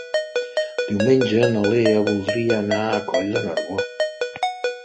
Diumenge na Lea voldria anar a Coll de Nargó.